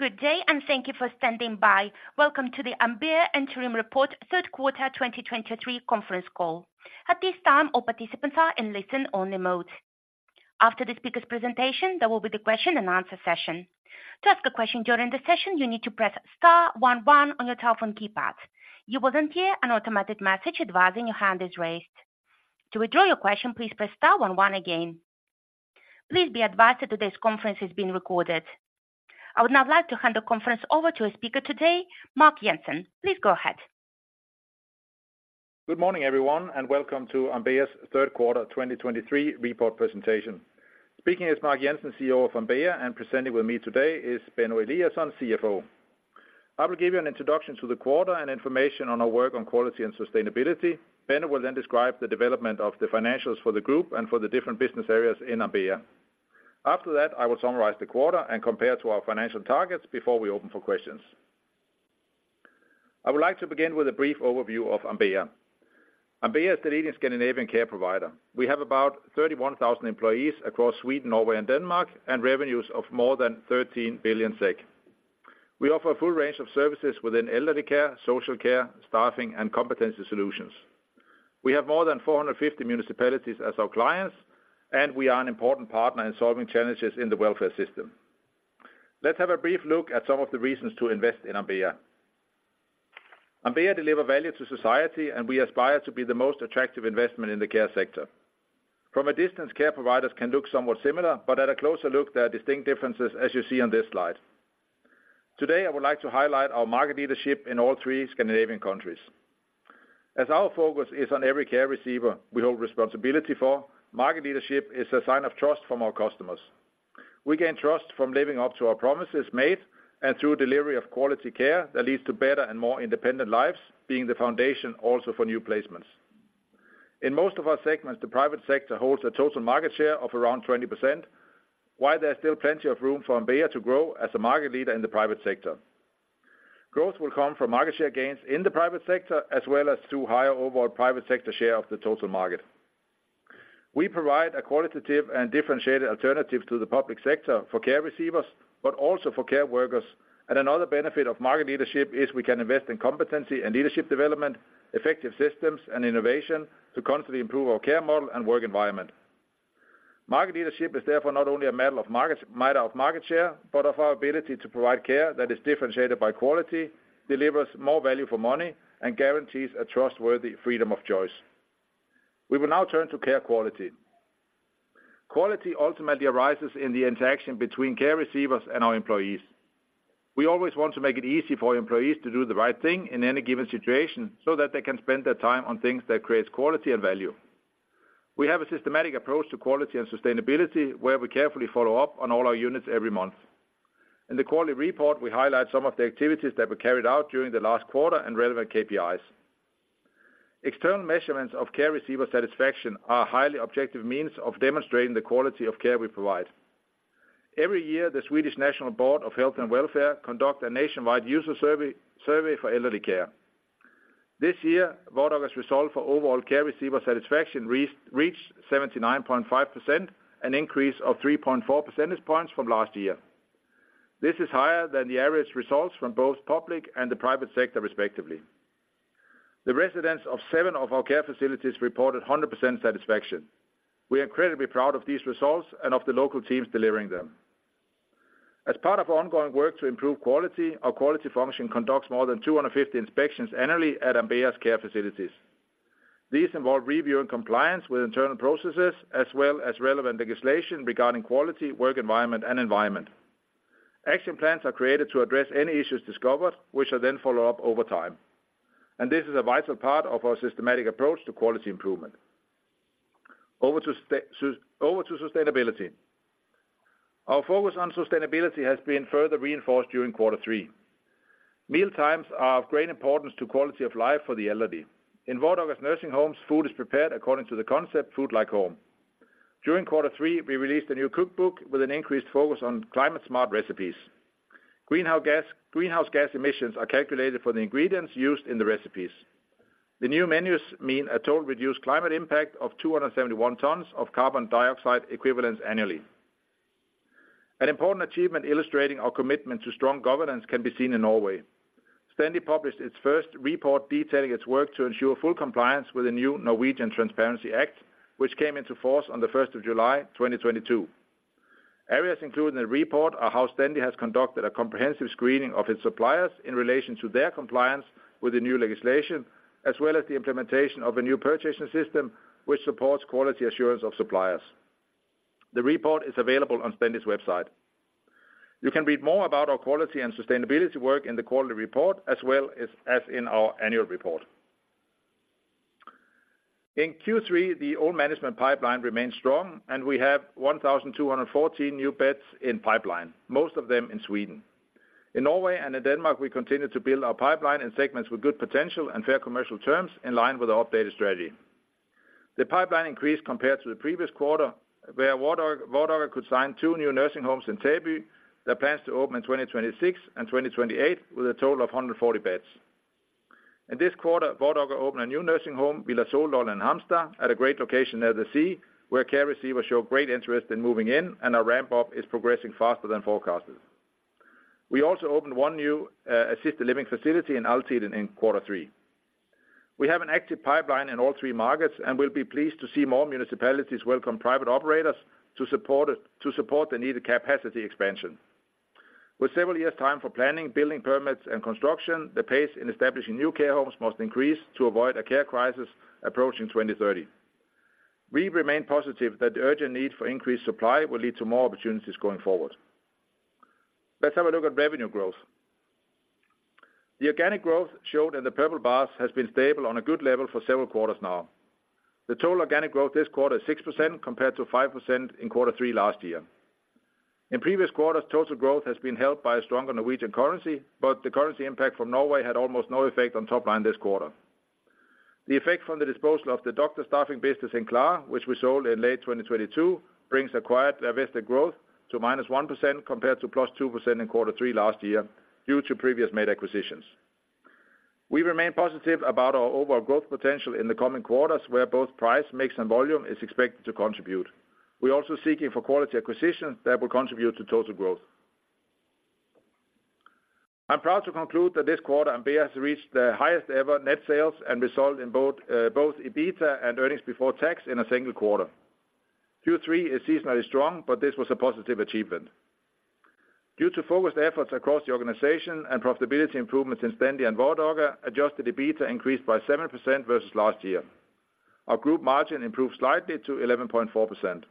Good day, and thank you for standing by. Welcome to the Ambea Interim Report, third quarter 2023 conference call. At this time, all participants are in listen-only mode. After the speaker's presentation, there will be the question and answer session. To ask a question during the session, you need to press star one one on your telephone keypad. You will then hear an automatic message advising your hand is raised. To withdraw your question, please press star one one again. Please be advised that today's conference is being recorded. I would now like to hand the conference over to our speaker today, Mark Jensen. Please go ahead. Good morning, everyone, and welcome to Ambea's third quarter 2023 report presentation. Speaking is Mark Jensen, CEO of Ambea, and presenting with me today is Benno Eliasson, CFO. I will give you an introduction to the quarter and information on our work on quality and sustainability. Benno will then describe the development of the financials for the group and for the different business areas in Ambea. After that, I will summarize the quarter and compare to our financial targets before we open for questions. I would like to begin with a brief overview of Ambea. Ambea is the leading Scandinavian care provider. We have about 31,000 employees across Sweden, Norway, and Denmark, and revenues of more than 13 billion SEK. We offer a full range of services within elderly care, social care, staffing, and competency solutions. We have more than 450 municipalities as our clients, and we are an important partner in solving challenges in the welfare system. Let's have a brief look at some of the reasons to invest in Ambea. Ambea deliver value to society, and we aspire to be the most attractive investment in the care sector. From a distance, care providers can look somewhat similar, but at a closer look, there are distinct differences, as you see on this slide. Today, I would like to highlight our market leadership in all three Scandinavian countries. As our focus is on every care receiver we hold responsibility for, market leadership is a sign of trust from our customers. We gain trust from living up to our promises made and through delivery of quality care that leads to better and more independent lives, being the foundation also for new placements. In most of our segments, the private sector holds a total market share of around 20%, while there are still plenty of room for Ambea to grow as a market leader in the private sector. Growth will come from market share gains in the private sector, as well as through higher overall private sector share of the total market. We provide a qualitative and differentiated alternative to the public sector for care receivers, but also for care workers. Another benefit of market leadership is we can invest in competency and leadership development, effective systems, and innovation to constantly improve our care model and work environment. Market leadership is therefore not only a matter of market share, but of our ability to provide care that is differentiated by quality, delivers more value for money, and guarantees a trustworthy freedom of choice. We will now turn to care quality. Quality ultimately arises in the interaction between care receivers and our employees. We always want to make it easy for employees to do the right thing in any given situation, so that they can spend their time on things that creates quality and value. We have a systematic approach to quality and sustainability, where we carefully follow up on all our units every month. In the quality report, we highlight some of the activities that were carried out during the last quarter and relevant KPIs. External measurements of care receiver satisfaction are a highly objective means of demonstrating the quality of care we provide. Every year, the Swedish National Board of Health and Welfare conduct a nationwide user survey for elderly care. This year, Vardaga's result for overall care receiver satisfaction reached 79.5%, an increase of 3.4 percentage points from last year. This is higher than the average results from both public and the private sector, respectively. The residents of seven of our care facilities reported 100% satisfaction. We are incredibly proud of these results and of the local teams delivering them. As part of our ongoing work to improve quality, our quality function conducts more than 250 inspections annually at Ambea's care facilities. These involve reviewing compliance with internal processes, as well as relevant legislation regarding quality, work environment, and environment. Action plans are created to address any issues discovered, which are then followed up over time. This is a vital part of our systematic approach to quality improvement. Over to sustainability. Our focus on sustainability has been further reinforced during quarter three. Mealtimes are of great importance to quality of life for the elderly. In Vardaga's nursing homes, food is prepared according to the concept, Food Like Home. During quarter three, we released a new cookbook with an increased focus on climate-smart recipes. Greenhouse gas, greenhouse gas emissions are calculated for the ingredients used in the recipes. The new menus mean a total reduced climate impact of 271 tons of carbon dioxide equivalent annually. An important achievement illustrating our commitment to strong governance can be seen in Norway. Stendi published its first report detailing its work to ensure full compliance with the new Norwegian Transparency Act, which came into force on the 1st of July, 2022. Areas included in the report are how Stendi has conducted a comprehensive screening of its suppliers in relation to their compliance with the new legislation, as well as the implementation of a new purchasing system, which supports quality assurance of suppliers. The report is available on Stendi's website. You can read more about our quality and sustainability work in the quality report, as well as, as in our annual report. In Q3, the old management pipeline remains strong, and we have 1,214 new beds in pipeline, most of them in Sweden. In Norway and in Denmark, we continue to build our pipeline in segments with good potential and fair commercial terms in line with our updated strategy. The pipeline increased compared to the previous quarter, where Vardaga, Vardaga could sign two new nursing homes in Täby, that plans to open in 2026 and 2028 with a total of 140 beds. In this quarter, Vardaga opened a new nursing home, Villa Soludden in Halmstad, at a great location near the sea, where care receivers show great interest in moving in, and our ramp-up is progressing faster than forecasted. We also opened one new assisted living facility in Altiden in quarter three. We have an active pipeline in all three markets, and we'll be pleased to see more municipalities welcome private operators to support it, to support the needed capacity expansion. With several years' time for planning, building permits, and construction, the pace in establishing new care homes must increase to avoid a care crisis approaching 2030. We remain positive that the urgent need for increased supply will lead to more opportunities going forward. Let's have a look at revenue growth. The organic growth showed in the purple bars has been stable on a good level for several quarters now. The total organic growth this quarter is 6%, compared to 5% in quarter three last year. In previous quarters, total growth has been helped by a stronger Norwegian currency, but the currency impact from Norway had almost no effect on top line this quarter. The effect from the disposal of the doctor staffing business in Klara, which we sold in late 2022, brings acquired divested growth to -1% compared to +2% in quarter three last year, due to previous made acquisitions. We remain positive about our overall growth potential in the coming quarters, where both price, mix, and volume is expected to contribute. We're also seeking for quality acquisitions that will contribute to total growth. I'm proud to conclude that this quarter, Ambea has reached the highest ever net sales and result in both EBITDA and earnings before tax in a single quarter. Q3 is seasonally strong, but this was a positive achievement. Due to focused efforts across the organization and profitability improvements in Stendi and Vardaga, adjusted EBITDA increased by 7% versus last year. Our group margin improved slightly to 11.4%.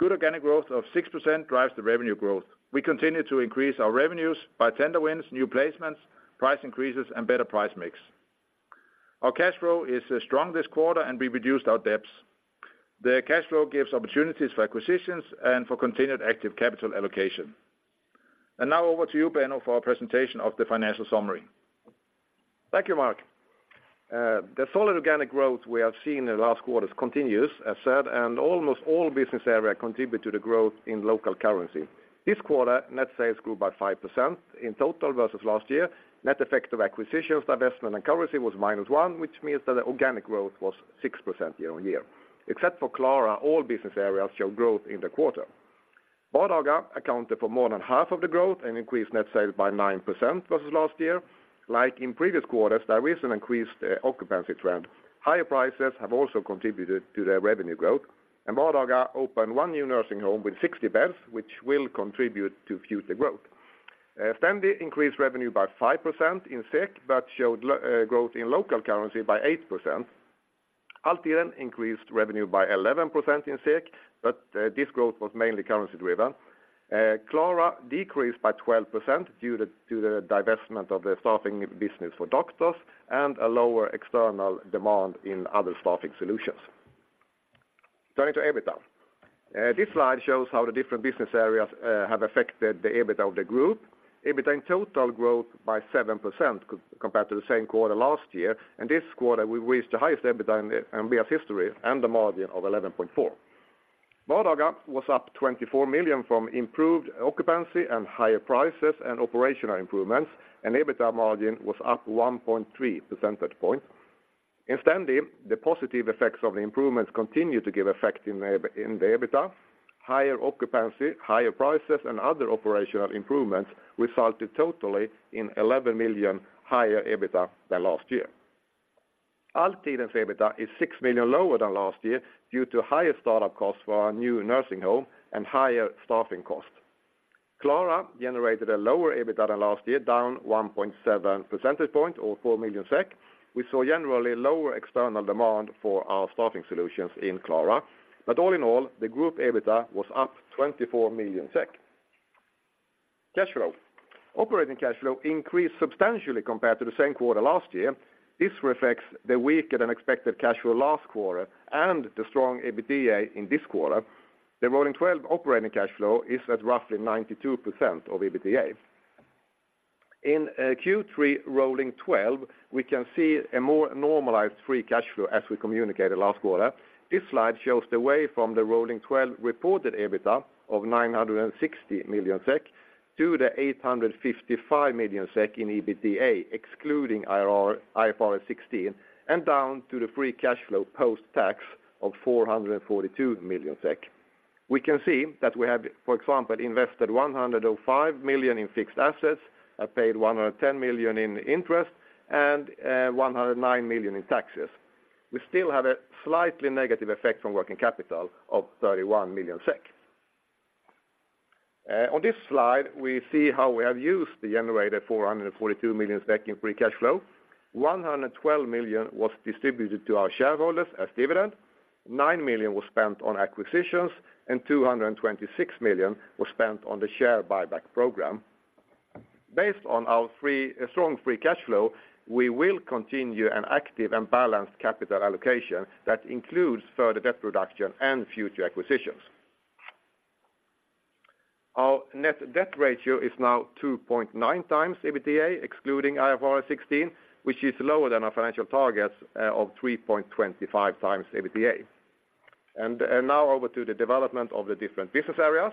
Good organic growth of 6% drives the revenue growth. We continue to increase our revenues by tender wins, new placements, price increases, and better price mix. Our cash flow is strong this quarter, and we reduced our debts. The cash flow gives opportunities for acquisitions and for continued active capital allocation. Now over to you, Benno, for our presentation of the financial summary. Thank you, Mark. The solid organic growth we have seen in the last quarters continues, as said, and almost all business areas contribute to the growth in local currency. This quarter, net sales grew by 5% in total versus last year. Net effect of acquisitions, divestment, and currency was -1%, which means that the organic growth was 6% year-on-year. Except for Klara, all business areas show growth in the quarter. Vardaga accounted for more than half of the growth and increased net sales by 9% versus last year. Like in previous quarters, there is an increased occupancy trend. Higher prices have also contributed to their revenue growth, and Vardaga opened one new nursing home with 60 beds, which will contribute to future growth. Stendi increased revenue by 5% in SEK, but showed growth in local currency by 8%. Altiden increased revenue by 11% in SEK, but this growth was mainly currency-driven. Klara decreased by 12% due to the divestment of the staffing business for doctors and a lower external demand in other staffing solutions. Turning to EBITDA. This slide shows how the different business areas have affected the EBITDA of the group. EBITDA in total grew by 7% compared to the same quarter last year, and this quarter, we reached the highest EBITDA in Ambea's history and a margin of 11.4%. Vardaga was up 24 million from improved occupancy and higher prices and operational improvements, and EBITDA margin was up 1.3 percentage point. In Stendi, the positive effects of the improvements continue to give effect in the EBITDA. Higher occupancy, higher prices, and other operational improvements resulted totally in 11 million higher EBITDA than last year. Altiden's EBITDA is 6 million lower than last year due to higher startup costs for our new nursing home and higher staffing costs. Klara generated a lower EBITDA than last year, down 1.7 percentage point, or 4 million SEK. We saw generally lower external demand for our staffing solutions in Klara. But all in all, the group EBITDA was up 24 million SEK. Cash flow. Operating cash flow increased substantially compared to the same quarter last year. This reflects the weaker-than-expected cash flow last quarter and the strong EBITDA in this quarter. The rolling 12 operating cash flow is at roughly 92% of EBITDA. In Q3 rolling 12, we can see a more normalized free cash flow as we communicated last quarter. This slide shows the way from the rolling 12 reported EBITDA of 960 million SEK to the 855 million SEK in EBITDA, excluding IFRS 16, and down to the free cash flow post-tax of 442 million SEK. We can see that we have, for example, invested 105 million in fixed assets, paid 110 million in interest, and 109 million in taxes. We still have a slightly negative effect on working capital of 31 million SEK. On this slide, we see how we have used the generated 442 million in free cash flow. 112 million was distributed to our shareholders as dividend, 9 million was spent on acquisitions, and 226 million was spent on the share buyback program. Based on our strong free cash flow, we will continue an active and balanced capital allocation that includes further debt reduction and future acquisitions. Our net debt ratio is now 2.9x EBITDA, excluding IFRS 16, which is lower than our financial targets of 3.25x EBITDA. Now over to the development of the different business areas,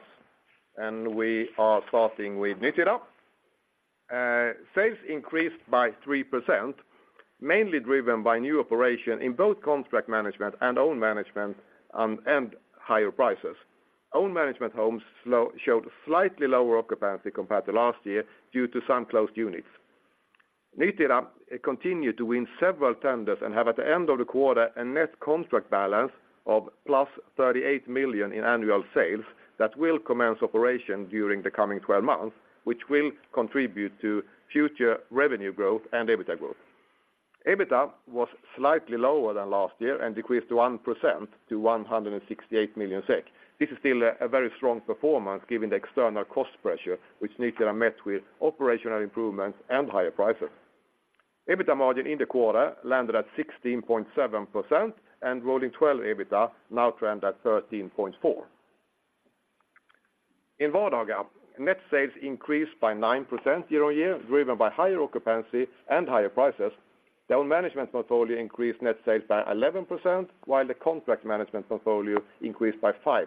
and we are starting with Nytida. Sales increased by 3%, mainly driven by new operation in both contract management and own management, and higher prices. Own management homes showed slightly lower occupancy compared to last year due to some closed units. Nytida continued to win several tenders and have, at the end of the quarter, a net contract balance of +38 million in annual sales that will commence operation during the coming 12 months, which will contribute to future revenue growth and EBITDA growth. EBITDA was slightly lower than last year and decreased 1% to 168 million SEK. This is still a very strong performance, given the external cost pressure, which Nytida met with operational improvements and higher prices. EBITDA margin in the quarter landed at 16.7%, and rolling 12 EBITDA now trend at 13.4%. In Vardaga, net sales increased by 9% year-on-year, driven by higher occupancy and higher prices. The own management portfolio increased net sales by 11%, while the contract management portfolio increased by 5%.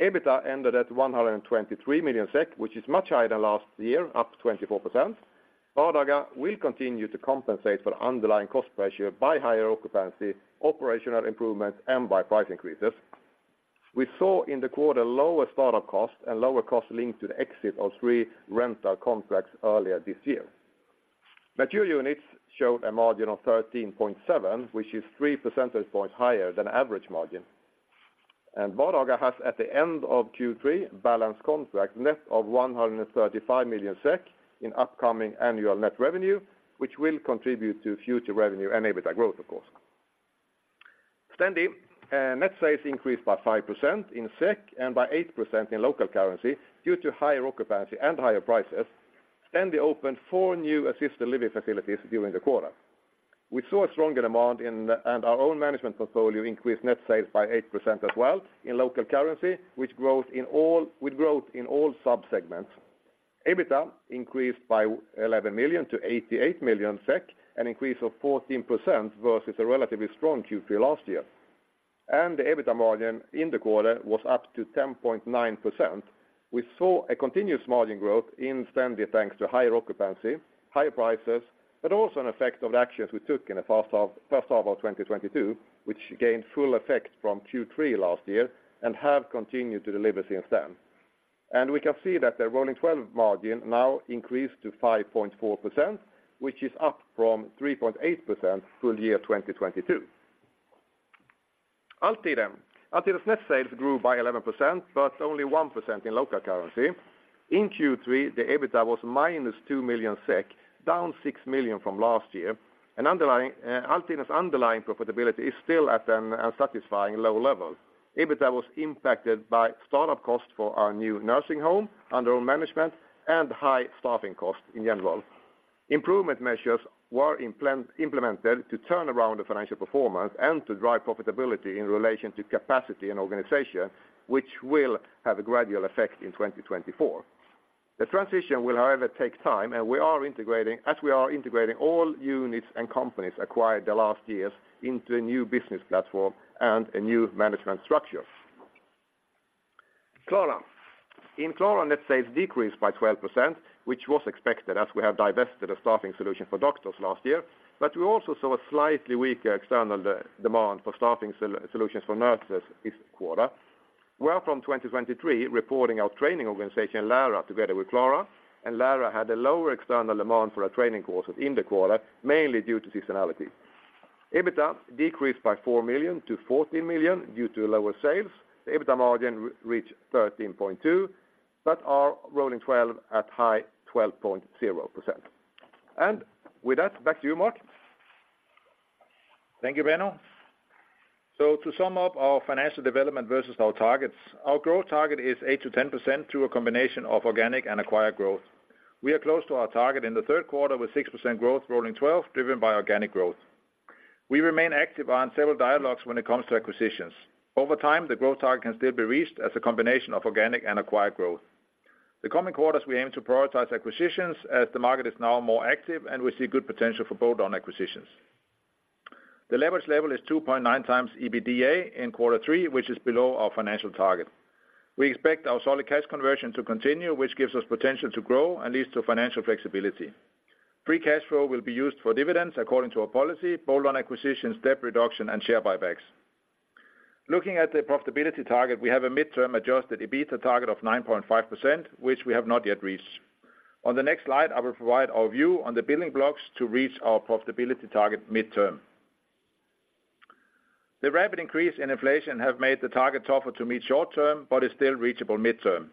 EBITDA ended at 123 million SEK, which is much higher than last year, up 24%. Vardaga will continue to compensate for underlying cost pressure by higher occupancy, operational improvements, and by price increases. We saw in the quarter lower startup costs and lower costs linked to the exit of three rental contracts earlier this year. Mature units showed a margin of 13.7, which is 3 percentage points higher than average margin. Vardaga has, at the end of Q3, balanced contract net of 135 million SEK in upcoming annual net revenue, which will contribute to future revenue and EBITDA growth, of course. Stendi net sales increased by 5% in SEK and by 8% in local currency due to higher occupancy and higher prices. Stendi opened four new assisted living facilities during the quarter. We saw a stronger demand and our own management portfolio increased net sales by 8% as well in local currency, with growth in all sub-segments. EBITDA increased by 11 million to 88 million SEK, an increase of 14% versus a relatively strong Q3 last year. The EBITDA margin in the quarter was up to 10.9%. We saw a continuous margin growth in Stendi, thanks to higher occupancy, higher prices, but also an effect of the actions we took in the first half, first half of 2022, which gained full effect from Q3 last year and have continued to deliver since then. We can see that the rolling 12 margin now increased to 5.4%, which is up from 3.8% full year 2022. Altiden. Altiden's net sales grew by 11%, but only 1% in local currency. In Q3, the EBITDA was -2 million SEK, down 6 million from last year, and underlying, Altiden's underlying profitability is still at an unsatisfying low level. EBITDA was impacted by startup costs for our new nursing home, under own management, and high staffing costs in general. Improvement measures were implemented to turn around the financial performance and to drive profitability in relation to capacity and organization, which will have a gradual effect in 2024. The transition will, however, take time, and we are integrating all units and companies acquired the last years into a new business platform and a new management structure. Klara. In Klara, net sales decreased by 12%, which was expected, as we have divested a staffing solution for doctors last year. But we also saw a slightly weaker external demand for staffing solutions for nurses this quarter. Well, from 2023, reporting our training organization, Lära, together with Klara, and Lära had a lower external demand for our training courses in the quarter, mainly due to seasonality. EBITDA decreased by 4 million to 14 million due to lower sales. The EBITDA margin reached 13.2%, but our rolling 12 at high 12.0%. With that, back to you, Mark. Thank you, Benno. So to sum up our financial development versus our targets, our growth target is 8%-10% through a combination of organic and acquired growth. We are close to our target in the third quarter with 6% growth rolling 12, driven by organic growth. We remain active on several dialogues when it comes to acquisitions. Over time, the growth target can still be reached as a combination of organic and acquired growth. The coming quarters, we aim to prioritize acquisitions as the market is now more active, and we see good potential for bolt-on acquisitions. The leverage level is 2.9x EBITDA in quarter three, which is below our financial target. We expect our solid cash conversion to continue, which gives us potential to grow and leads to financial flexibility. Free cash flow will be used for dividends according to our policy, bolt-on acquisitions, debt reduction, and share buybacks. Looking at the profitability target, we have a midterm Adjusted EBITDA target of 9.5%, which we have not yet reached. On the next slide, I will provide our view on the building blocks to reach our profitability target midterm. The rapid increase in inflation have made the target tougher to meet short term, but is still reachable midterm.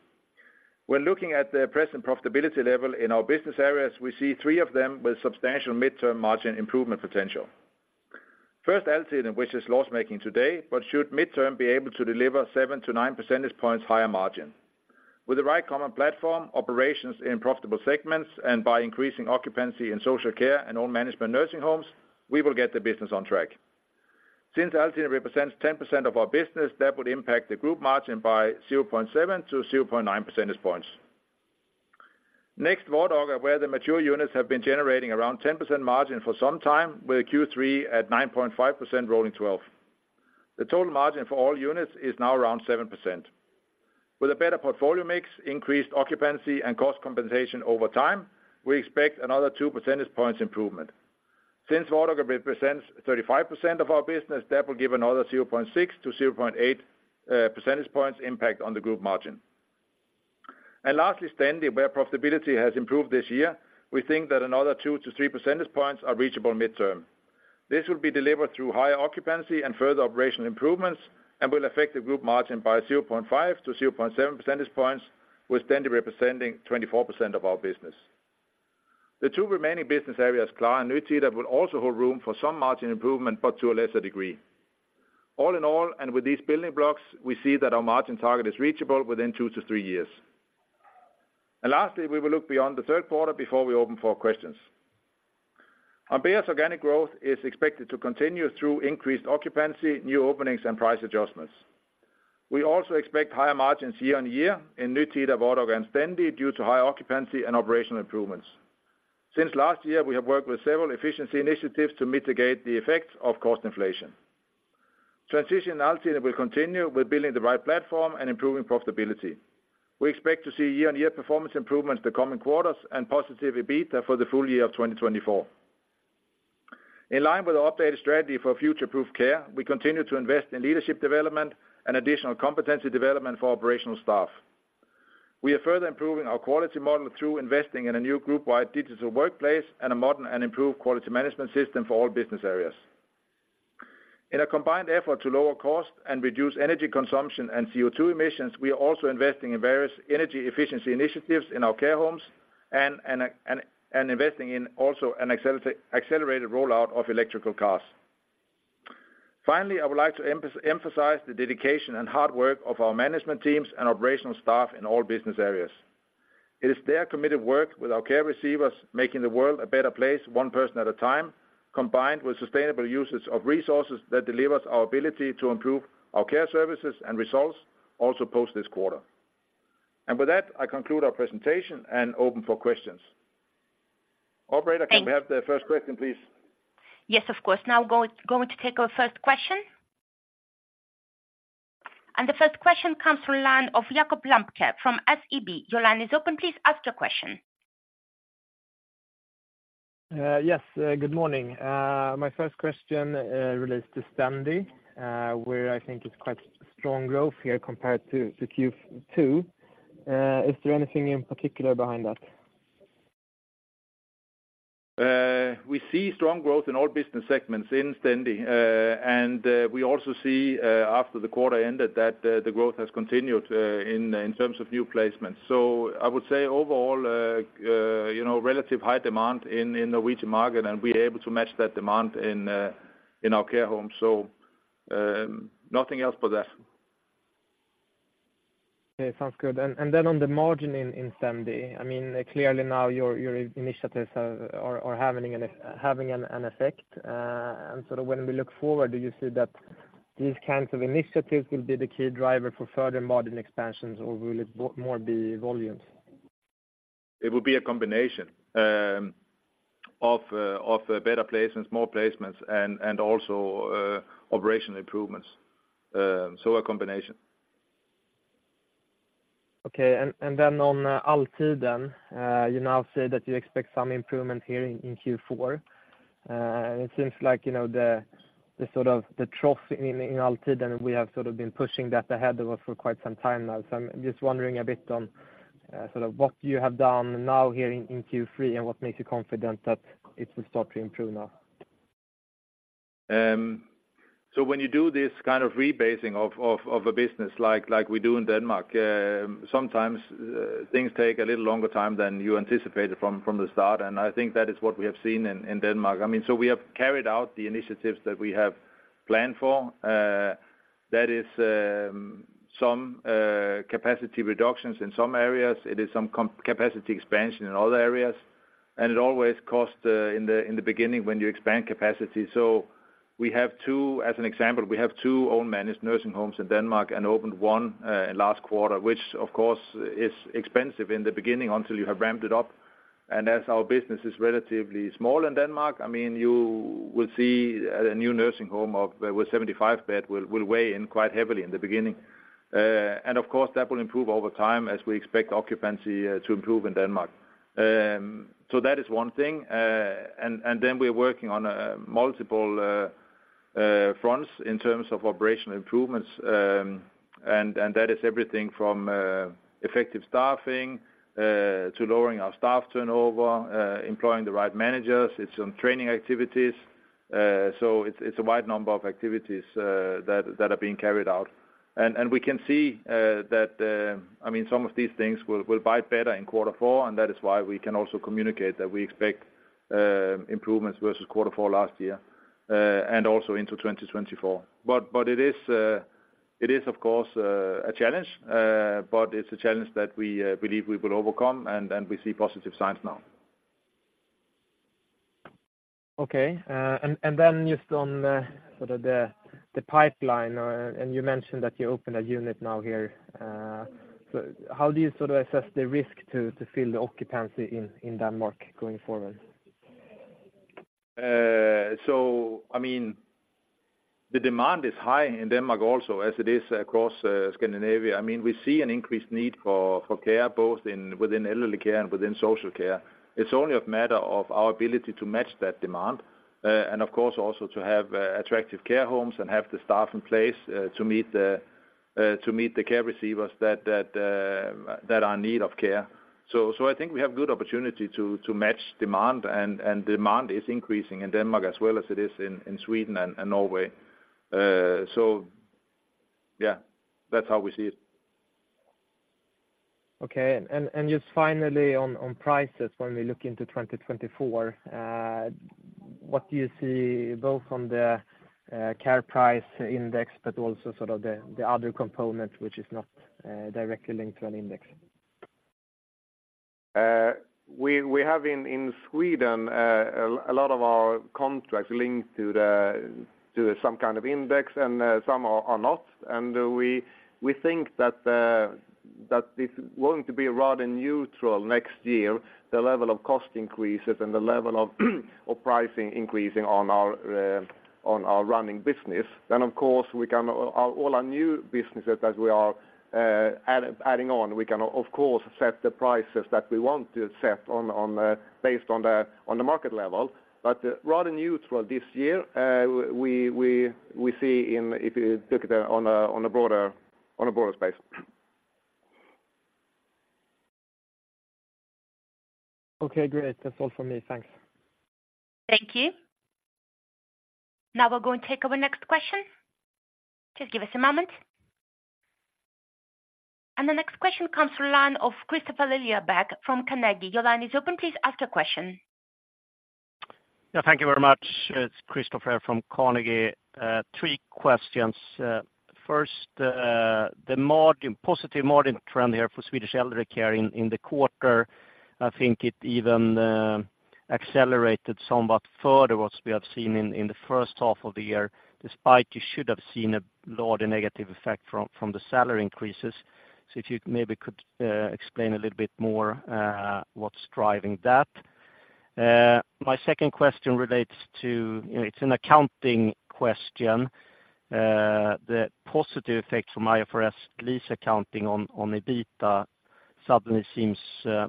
When looking at the present profitability level in our business areas, we see three of them with substantial midterm margin improvement potential. First, Altiden, which is loss-making today, but should midterm be able to deliver 7-9 percentage points higher margin. With the right common platform, operations in profitable segments, and by increasing occupancy in social care and own management nursing homes, we will get the business on track. Since Altiden represents 10% of our business, that would impact the group margin by 0.7-0.9 percentage points. Next, Vardaga, where the mature units have been generating around 10% margin for some time, with a Q3 at 9.5% rolling twelve. The total margin for all units is now around 7%. With a better portfolio mix, increased occupancy and cost compensation over time, we expect another 2 percentage points improvement. Since Vardaga represents 35% of our business, that will give another 0.6-0.8 percentage points impact on the group margin. And lastly, Stendi, where profitability has improved this year, we think that another 2-3 percentage points are reachable midterm. This will be delivered through higher occupancy and further operational improvements, and will affect the group margin by 0.5-0.7 percentage points, with Stendi representing 24% of our business. The two remaining business areas, Klara and Nytida, will also hold room for some margin improvement, but to a lesser degree. All in all, and with these building blocks, we see that our margin target is reachable within two to three years. And lastly, we will look beyond the third quarter before we open for questions. Ambea's organic growth is expected to continue through increased occupancy, new openings and price adjustments. We also expect higher margins year-on-year in Nytida, Vardaga, and Stendi, due to high occupancy and operational improvements. Since last year, we have worked with several efficiency initiatives to mitigate the effects of cost inflation. Transition in Altiden will continue with building the right platform and improving profitability. We expect to see year-on-year performance improvements in the coming quarters, and positive EBITDA for the full year of 2024. In line with our updated strategy for future-proof care, we continue to invest in leadership development and additional competency development for operational staff. We are further improving our quality model through investing in a new group-wide digital workplace and a modern and improved quality management system for all business areas. In a combined effort to lower cost and reduce energy consumption and CO2 emissions, we are also investing in various energy efficiency initiatives in our care homes and investing in also an accelerated rollout of electrical cars. Finally, I would like to emphasize the dedication and hard work of our management teams and operational staff in all business areas. It is their committed work with our care receivers, making the world a better place, one person at a time, combined with sustainable uses of resources, that delivers our ability to improve our care services and results, also post this quarter. And with that, I conclude our presentation and open for questions. Operator, can we have the first question, please? Yes, of course. Now going, going to take our first question. The first question comes from the line of Jakob Lembke, from SEB. Your line is open, please ask your question. Yes, good morning. My first question relates to Stendi, where I think it's quite strong growth here compared to Q2. Is there anything in particular behind that? We see strong growth in all business segments in Stendi. And we also see, after the quarter ended, that the growth has continued, in terms of new placements. So I would say overall, you know, relative high demand in the Norwegian market, and we are able to match that demand in our care homes. So, nothing else but that. Okay, sounds good. And then on the margin in Stendi, I mean, clearly now your initiatives are having an effect. And so when we look forward, do you see that these kinds of initiatives will be the key driver for further margin expansions, or will it more be volumes? It will be a combination of better placements, more placements, and also operational improvements. So a combination. Okay. Then on Altiden, you now say that you expect some improvement here in Q4. It seems like, you know, the sort of trough in Altiden, we have sort of been pushing that ahead of us for quite some time now. So I'm just wondering a bit on sort of what you have done now here in Q3, and what makes you confident that it will start to improve now? So when you do this kind of rebasing of a business like we do in Denmark, sometimes things take a little longer time than you anticipated from the start, and I think that is what we have seen in Denmark. I mean, so we have carried out the initiatives that we have planned for, that is, some capacity reductions in some areas, it is some capacity expansion in other areas, and it always costs in the beginning when you expand capacity. So we have two, as an example, we have two own managed nursing homes in Denmark, and opened one last quarter, which of course is expensive in the beginning until you have ramped it up. As our business is relatively small in Denmark, I mean, you will see a new nursing home with 75-bed will weigh in quite heavily in the beginning. And of course, that will improve over time as we expect occupancy to improve in Denmark. So that is one thing. And then we're working on multiple fronts in terms of operational improvements. And that is everything from effective staffing to lowering our staff turnover, employing the right managers. It's on training activities. So it's a wide number of activities that are being carried out. We can see that, I mean, some of these things will bite better in quarter four, and that is why we can also communicate that we expect improvements versus quarter four last year and also into 2024. But it is of course a challenge, but it's a challenge that we believe we will overcome, and we see positive signs now. Okay, and then just on sort of the pipeline, and you mentioned that you opened a unit now here. So how do you sort of assess the risk to fill the occupancy in Denmark going forward? So I mean, the demand is high in Denmark also, as it is across Scandinavia. I mean, we see an increased need for care, both within elderly care and within social care. It's only a matter of our ability to match that demand, and of course, also to have attractive care homes and have the staff in place, to meet the care receivers that are in need of care. So I think we have good opportunity to match demand, and demand is increasing in Denmark as well as it is in Sweden and Norway. So yeah, that's how we see it. Okay. And just finally on prices, when we look into 2024, what do you see both on the Care Price Index, but also sort of the other components, which is not directly linked to an index? We have in Sweden a lot of our contracts linked to some kind of index, and some are not. And we think that it's going to be rather neutral next year, the level of cost increases and the level of pricing increasing on our running business. Then, of course, all our new businesses that we are adding on, we can of course set the prices that we want to set on based on the market level. But rather neutral this year, we see if you look at on a broader space. Okay, great. That's all for me. Thanks. Thank you. Now we'll go and take our next question. Just give us a moment. The next question comes from the line of Kristofer Liljeberg from Carnegie. Your line is open, please ask your question. Yeah, thank you very much. It's Kristofer from Carnegie. Three questions. First, the margin, positive margin trend here for Swedish elderly care in the quarter. I think it even accelerated somewhat further what we have seen in the first half of the year, despite you should have seen a larger negative effect from the salary increases. So if you maybe could explain a little bit more, what's driving that? My second question relates to, you know, it's an accounting question. The positive effect from IFRS lease accounting on EBITDA suddenly seems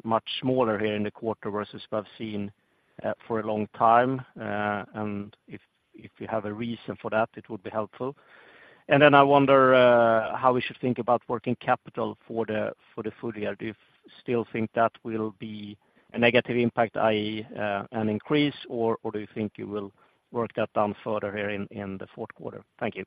much smaller here in the quarter versus what I've seen for a long time. And if you have a reason for that, it would be helpful. Then I wonder how we should think about working capital for the full year. Do you still think that will be a negative impact, i.e., an increase, or do you think you will work that down further here in the fourth quarter? Thank you.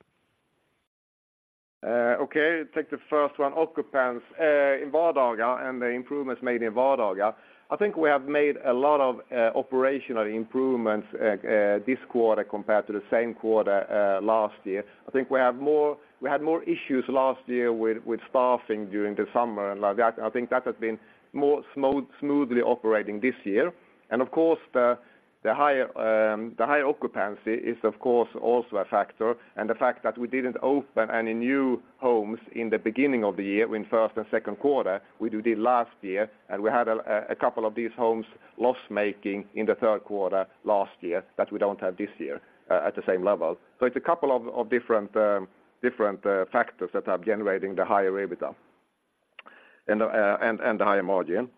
Okay, take the first one. Occupancy in Vardaga and the improvements made in Vardaga, I think we have made a lot of operational improvements this quarter compared to the same quarter last year. I think we had more issues last year with staffing during the summer and like that. I think that has been more smoothly operating this year. And of course, the higher, the high occupancy is, of course, also a factor, and the fact that we didn't open any new homes in the beginning of the year, in first and second quarter, we do did last year, and we had a couple of these homes loss-making in the third quarter last year, that we don't have this year at the same level. So it's a couple of different factors that are generating the higher EBITDA and the higher margin.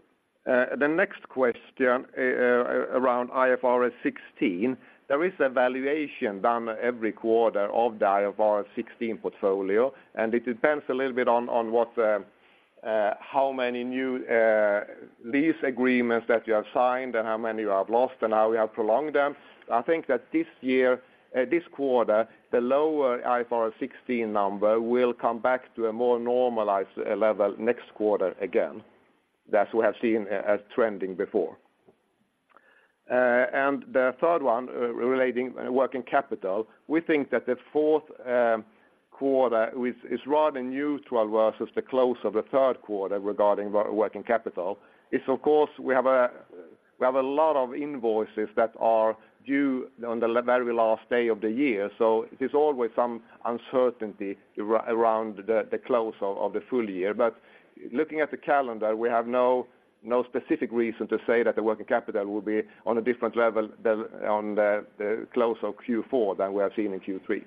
The next question around IFRS 16, there is a valuation done every quarter of the IFRS 16 portfolio, and it depends a little bit on how many new lease agreements that you have signed and how many you have lost, and how we have prolonged them. I think that this year, this quarter, the lower IFRS 16 number will come back to a more normalized level next quarter again. That's what I've seen as trending before. And the third one, relating working capital, we think that the fourth quarter is rather neutral versus the close of the third quarter regarding working capital. It's of course, we have a lot of invoices that are due on the very last day of the year, so there's always some uncertainty around the close of the full year. But looking at the calendar, we have no specific reason to say that the working capital will be on a different level than on the close of Q4 than we have seen in Q3.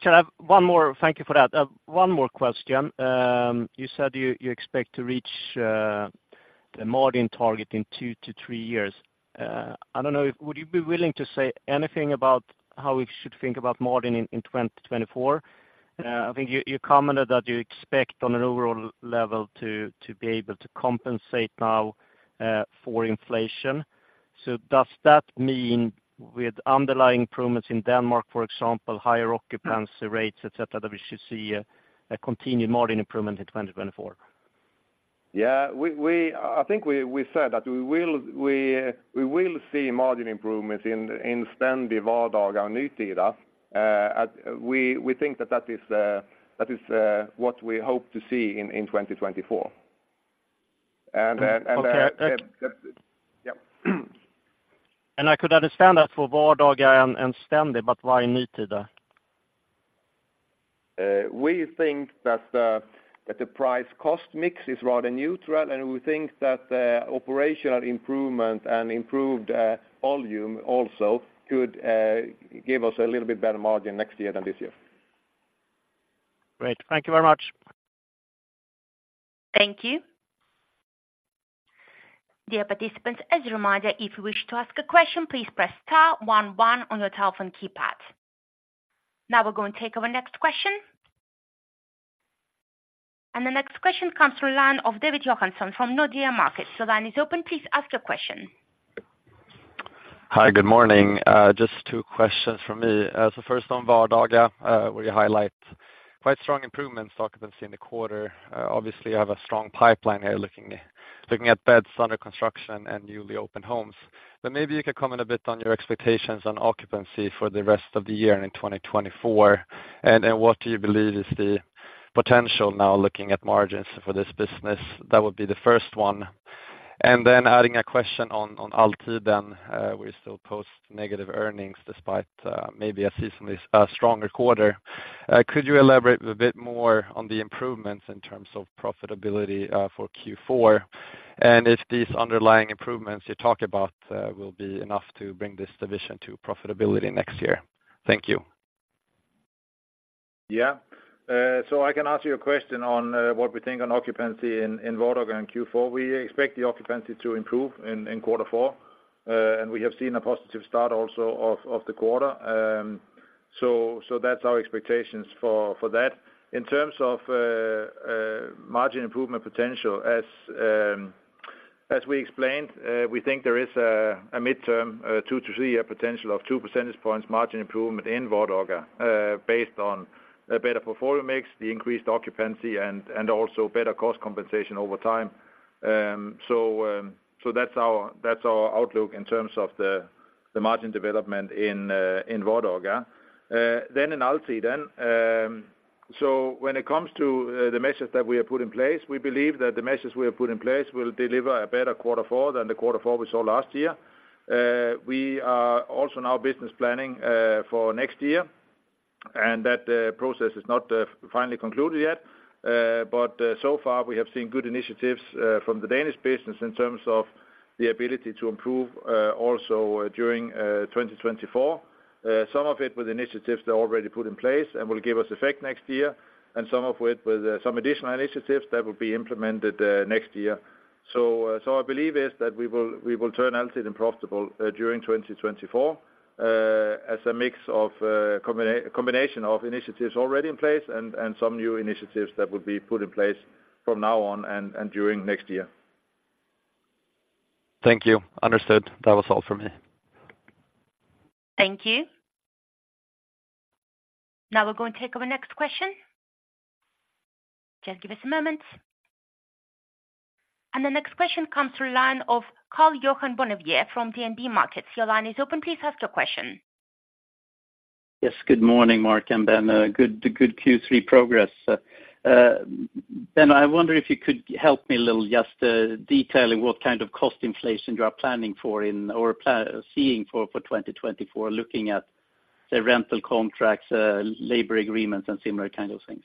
Can I have one more. Thank you for that. One more question. You said you expect to reach the margin target in two to three years. I don't know, would you be willing to say anything about how we should think about margin in 2024? I think you commented that you expect, on an overall level, to be able to compensate now for inflation. So does that mean with underlying improvements in Denmark, for example, higher occupancy rates, et cetera, that we should see a continued margin improvement in 2024? Yeah, I think we said that we will see margin improvements in Stendi, Vardaga, and Nytida. We think that that is what we hope to see in 2024. Yep. I could understand that for Vardaga and Stendi, but why Nytida? We think that the price cost mix is rather neutral, and we think that the operational improvement and improved volume also could give us a little bit better margin next year than this year. Great. Thank you very much. Thank you. Dear participants, as a reminder, if you wish to ask a question, please press star one one on your telephone keypad. Now we're going to take our next question. The next question comes from line of David Johansson from Nordea Markets. So line is open, please ask your question. Hi, good morning. Just two questions from me. So first on Vardaga, where you highlight quite strong improvements occupancy in the quarter. Obviously you have a strong pipeline here, looking at beds under construction and newly opened homes. But maybe you could comment a bit on your expectations on occupancy for the rest of the year and in 2024, and what do you believe is the potential now looking at margins for this business? That would be the first one. And then adding a question on Altiden, we still post negative earnings despite maybe a seasonally stronger quarter. Could you elaborate a bit more on the improvements in terms of profitability for Q4? And if these underlying improvements you talk about will be enough to bring this division to profitability next year? Thank you. Yeah. So I can answer your question on what we think on occupancy in Vardaga in Q4. We expect the occupancy to improve in quarter four. We have seen a positive start also of the quarter. So that's our expectations for that. In terms of margin improvement potential, as we explained, we think there is a midterm two to three-year potential of 2 percentage points margin improvement in Vardaga, based on a better portfolio mix, the increased occupancy, and also better cost compensation over time. So that's our outlook in terms of the margin development in Vardaga. Then in Altiden, so when it comes to the measures that we have put in place, we believe that the measures we have put in place will deliver a better quarter four than the quarter four we saw last year. We are also now business planning for next year, and that process is not finally concluded yet. But so far we have seen good initiatives from the Danish business in terms of the ability to improve also during 2024. Some of it with initiatives that are already put in place and will give us effect next year, and some of it with some additional initiatives that will be implemented next year. I believe is that we will turn Altiden profitable during 2024, as a mix of combination of initiatives already in place and some new initiatives that will be put in place from now on and during next year. Thank you. Understood. That was all for me. Thank you. Now we're going to take our next question. Just give us a moment. The next question comes through line of Karl-Johan Bonnevier from DNB Markets. Your line is open. Please ask your question. Yes, good morning, Mark, and then good, good Q3 progress. Ben, I wonder if you could help me a little, just detailing what kind of cost inflation you are planning for or seeing for 2024, looking at the rental contracts, labor agreements, and similar kind of things.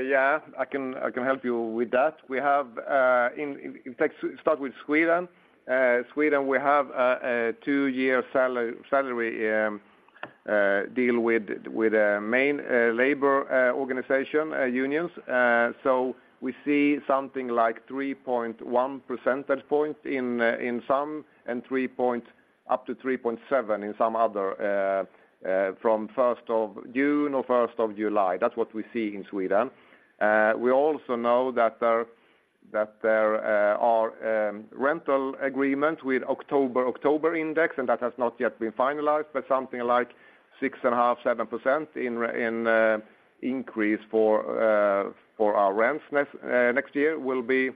Yeah, I can help you with that. Start with Sweden. Sweden, we have a two-year salary deal with main labor organization unions. We see something like 3.1 percentage points in some, and up to 3.7 in some other from 1st of June or 1st of July. That's what we see in Sweden. We also know that there are rental agreements with October index, and that has not yet been finalized, but something like 6.5%, 7% increase for our rents next year will be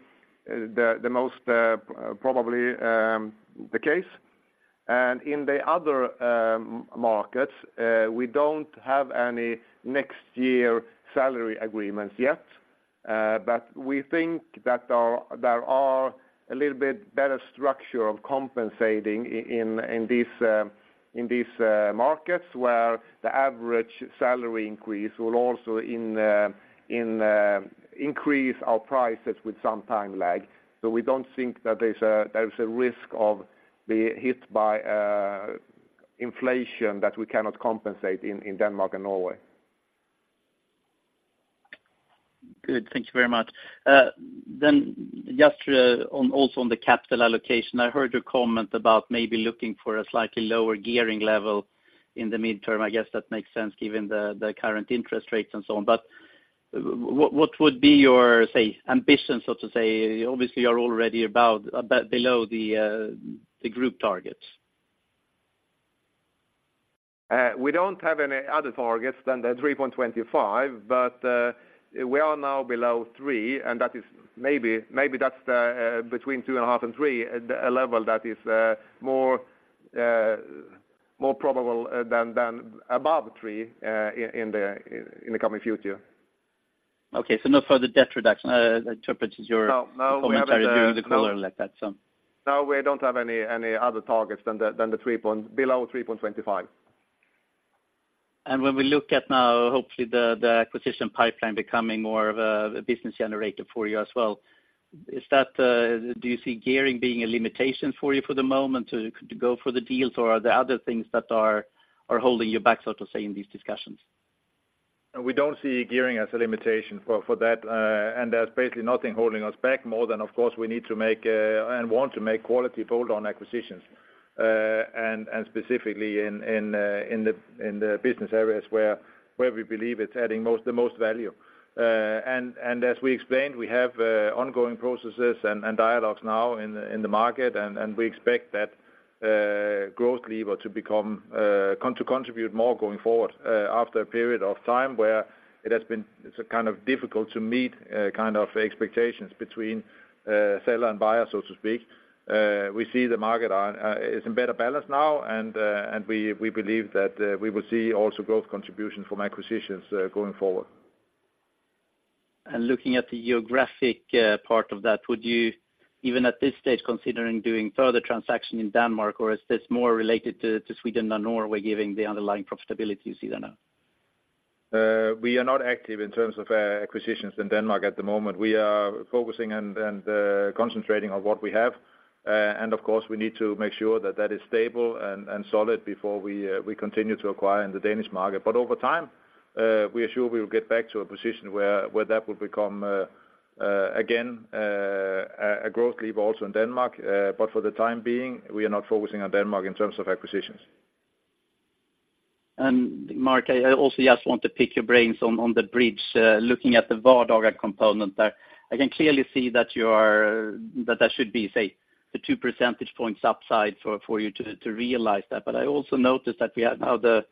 the most probably the case. In the other markets, we don't have any next year salary agreements yet. We think that there are a little bit better structure of compensating in these markets, where the average salary increase will also increase our prices with some time lag. We don't think that there's a risk of being hit by inflation that we cannot compensate in Denmark and Norway. Good. Thank you very much. Then just on, also on the capital allocation, I heard your comment about maybe looking for a slightly lower gearing level in the midterm. I guess that makes sense given the current interest rates and so on. But what would be your, say, ambition, so to say? Obviously, you're already about below the group targets. We don't have any other targets than the 3.25, but we are now below 3, and that is maybe, maybe that's the between 2.5 and 3, a level that is more probable than above three in the coming future. Okay, so no further debt reduction, interprets your No, now we have the- Commentary during the call like that, so. No, we don't have any other targets than below 3.25. When we look at now, hopefully the acquisition pipeline becoming more of a business generator for you as well, do you see gearing being a limitation for you for the moment to go for the deals? Or are there other things that are holding you back, so to say, in these discussions? We don't see gearing as a limitation for that, and there's basically nothing holding us back more than, of course, we need to make and want to make quality fold on acquisitions, and specifically in the business areas where we believe it's adding the most value. As we explained, we have ongoing processes and dialogues now in the market, and we expect that growth lever to contribute more going forward after a period of time where it has been kind of difficult to meet expectations between seller and buyer, so to speak. We see the market. It's in better balance now, and we believe that we will see also growth contribution from acquisitions, going forward. Looking at the geographic part of that, would you, even at this stage, considering doing further transaction in Denmark, or is this more related to Sweden and Norway, giving the underlying profitability you see there now? We are not active in terms of acquisitions in Denmark at the moment. We are focusing and concentrating on what we have. And, of course, we need to make sure that that is stable and solid before we continue to acquire in the Danish market. But over time, we are sure we will get back to a position where that will become again a growth level also in Denmark. But for the time being, we are not focusing on Denmark in terms of acquisitions. Mark, I also just want to pick your brains on the bridge. Looking at the Vardaga component there, I can clearly see that you are that there should be, say, the 2 percentage points upside for you to realize that. But I also noticed that we have now the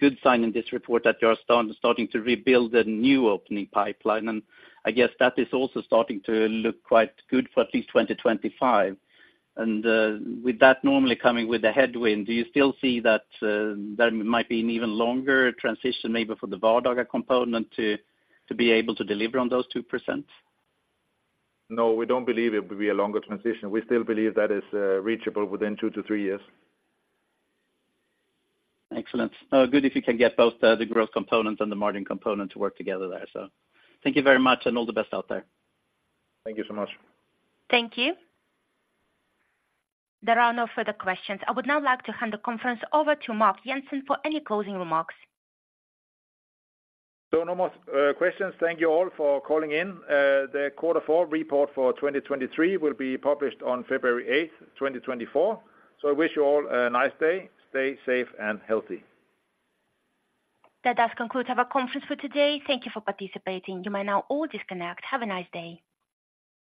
good sign in this report that you are starting to rebuild the new opening pipeline, and I guess that is also starting to look quite good for at least 2025. And, with that normally coming with a headwind, do you still see that that might be an even longer transition, maybe for the Vardaga component to be able to deliver on those 2%? No, we don't believe it will be a longer transition. We still believe that is, reachable within two to three years. Excellent. Good if you can get both the growth component and the margin component to work together there, so. Thank you very much, and all the best out there. Thank you so much. Thank you. There are no further questions. I would now like to hand the conference over to Mark Jensen for any closing remarks. No more questions. Thank you all for calling in. The quarter four report for 2023 will be published on February 8th, 2024. I wish you all a nice day. Stay safe and healthy. That does conclude our conference for today. Thank you for participating. You may now all disconnect. Have a nice day.